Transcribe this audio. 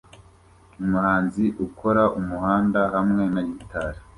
Umuhanzi ukora umuhanda hamwe na gitari